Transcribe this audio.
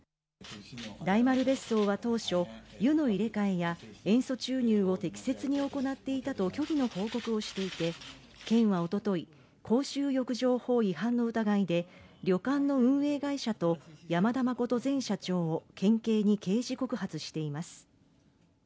大丸別荘は当初、湯の入れ替えや塩素注入を適切に行っていたと虚偽の報告をしていて県はおととい、公衆浴場法違反の疑いで旅館の運営会社と山田真前社長を県警に刑事告発しています。